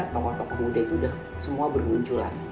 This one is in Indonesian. tokoh tokoh muda itu sudah semua bermunculan